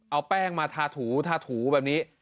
เอาแป้งมาทาถูแบบนี้